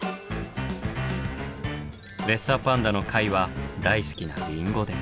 レッサーパンダのカイは大好きなリンゴで。